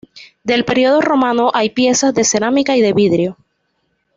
Del periodo romano hay piezas de cerámica y de vidrio.